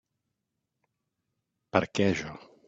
Per què jo?